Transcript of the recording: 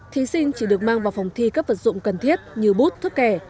thí sinh chỉ được mang vào phòng thi các vật dụng cần thiết như bút thước kè